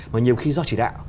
mà nhiều khi do chỉ đạo